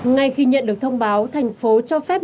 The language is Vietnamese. ngay khi nhận được thông báo thành phố cho phép